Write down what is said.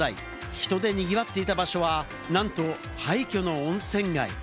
人で賑わっていた場所はなんと廃墟の温泉街。